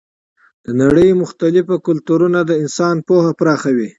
د نړۍ مختلف کلتورونه د انسان پوهه پراخوي.